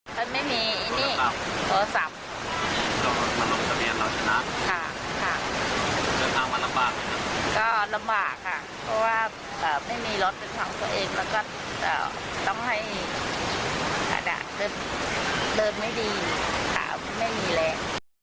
ก็ลำบากค่ะเพื่อว่าไม่มีรถที่มีช่องตัวเองแล้วก็ต้องให้ระดับเดินไม่ดีมันไม่มีแล้ว